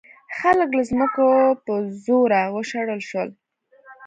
خلک له ځمکو په زوره وشړل شول.